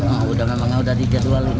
enggak udah nambah nambah udah dikedualin